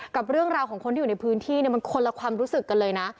กับเรื่องราวของคนที่อยู่ในพื้นที่มันคนละความรู้สึกกันเลยนะ